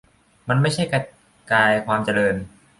มันไม่ใช่กระจายความเจริญ